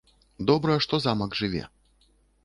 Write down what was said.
Добра, што замак жыве.